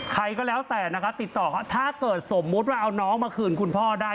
ใครก็แล้วแต่ถ้าเกิดสมมติว่าเอาน้องมาคืนคุณพ่อได้